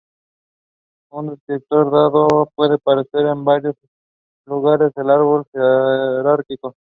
Un descriptor dado puede aparecer en varios lugares en el árbol jerárquico.